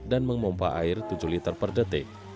dan mengmompah air tujuh liter per detik